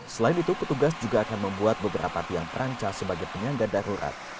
selain itu petugas juga akan membuat beberapa tiang perancang sebagai penyangga darurat